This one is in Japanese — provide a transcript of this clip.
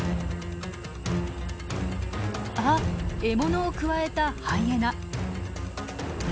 あっ獲物をくわえたハイエナ。